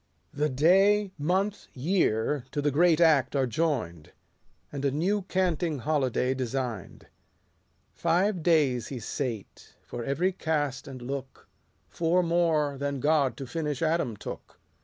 The day, month, year, to the great act are join'd : And a new canting holiday design'd. Five days he sate, for every cast and look — Four more than God to finish Adam took.